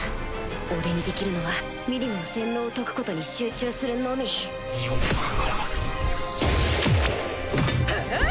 俺にできるのはミリムの洗脳を解くことに集中するのみハァっ！